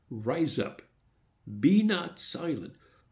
_—arise up!—be not silent!